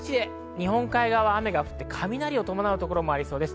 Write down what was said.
日本海側は雨が降って雷を伴う所もありそうです。